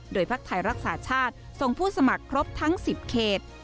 ภักดิ์ไทยรักษาชาติส่งผู้สมัครครบทั้ง๑๐เขต